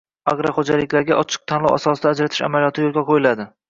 agroxo‘jaliklarga ochiq tanlov asosida ajratish amaliyoti yo‘lga qo‘yiladi.